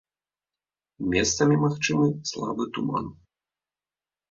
Месцамі магчымы слабы туман.